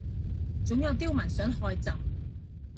總有刁民想害朕